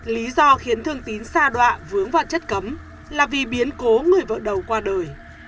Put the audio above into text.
lý do khiến thương tín xa đoạ vướng vào chất cấm là vì biến cố người vợ đầu qua đời